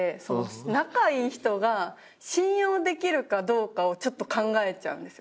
仲いい人が信用できるかどうかをちょっと考えちゃうんですよ。